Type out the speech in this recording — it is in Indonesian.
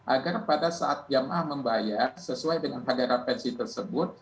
agar pada saat jamaah membayar sesuai dengan harga referensi tersebut